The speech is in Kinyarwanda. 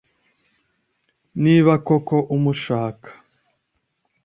niba koko umushaka)